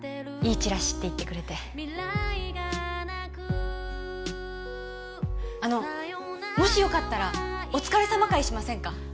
チラシって言ってくれてあのもしよかったらお疲れさま会しませんか？